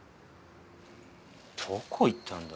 どこ行ったんだよ？